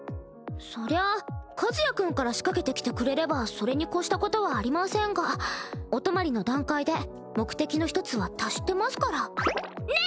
そりゃ和也君から仕掛けてきてくれればそれに越したことはありませんがお泊まりの段階で目的の一つは達してますからね！